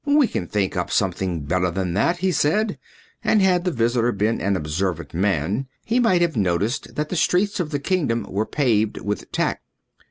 "We can think up something better than that," he said, and had the visitor been an observant man he might have noticed that the streets of the kingdom were paved with tact.